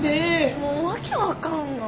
もう訳分かんない。